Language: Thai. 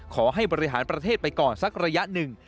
ขอให้บริหารประเทศไปก่อนสักระยะหนึ่ง